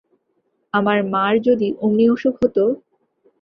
আমার মার যদি ওমনি অসুখ হত?